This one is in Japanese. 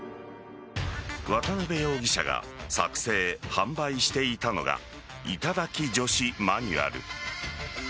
渡辺容疑者が作成・販売していたのが頂き女子マニュアル。